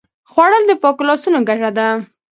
خوړل د پاکو لاسونو ګټه ده